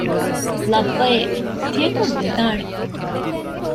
ލައްބައެވެ! ތިޔަކަން ވެދާނެ